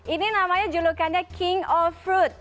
ini namanya julukannya king of fruit